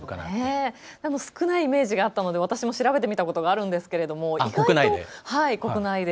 少ないイメージがあったので私も調べてみたことがあるんですけれども国内で。